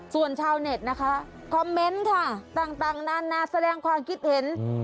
ส่วนชาวเน็ตนะคะคอมเมนต์ค่ะต่างนานาแสดงความคิดเห็น